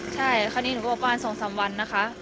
ใช่คราวนี้หนูบอกว่าประมาณสองสามวันนะคะ